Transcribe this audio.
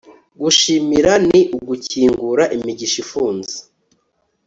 gushimira ni ugukingura imigisha ifunze